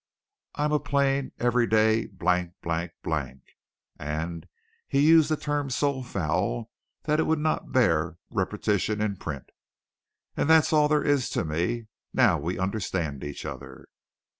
I'm a plain, everyday blank, blank, blank" (and he used a term so foul that it would not bear repetition in print), "and that's all there is to me. Now we understand each other."